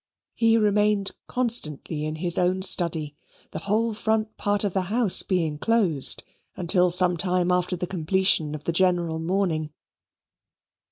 He remained constantly in his own study; the whole front part of the house being closed until some time after the completion of the general mourning.